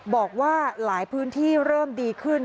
บอกว่าหลายพื้นที่เริ่มดีขึ้น